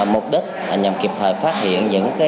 mục đích là nhằm kịp thời phát hiện những cái